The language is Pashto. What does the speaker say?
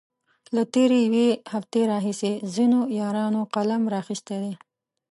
له تېرې يوې هفتې راهيسې ځينو يارانو قلم را اخستی دی.